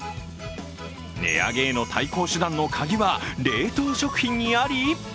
値上げへの対抗手段のカギは冷凍食品にあり？